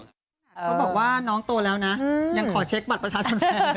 เขาบอกว่าน้องโตแล้วนะยังขอเช็คบัตรประชาชนแฟน